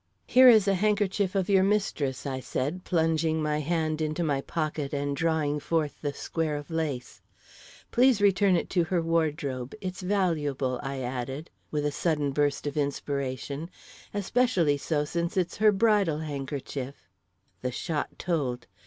"Here is a handkerchief of your mistress," I said, plunging my hand into my pocket and drawing forth the square of lace. "Please return it to her wardrobe. It's valuable," I added, with a sudden burst of inspiration; "especially so, since it's her bridal handkerchief." The shot told.